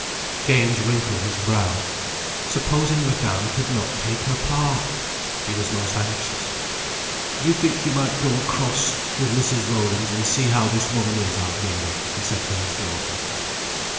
James wrinkled his brow. Supposing Madame could not take her part! He was most anxious. "Do you think you might go across with Mrs. Rollings and see how this woman is, Alvina?" he said to his daughter.